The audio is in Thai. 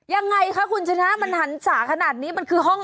อย่างไงมันหันสาขนาดนี้ฉันคุณช๊ะ